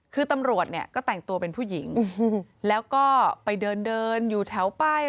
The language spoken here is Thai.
คือตำรวจเนี่ยก็แต่งตัวเป็นผู้หญิงแล้วก็ไปเดินเดินอยู่แถวป้าย